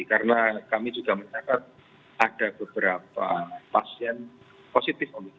karena kami juga menyatakan ada beberapa pasien positif omikron